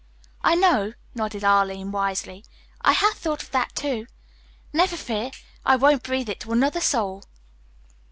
"I know," nodded Arline wisely. "I had thought of that, too. Never fear, I won't breathe it to another soul."